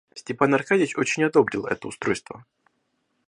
Степан Аркадьич очень одобрил это устройство.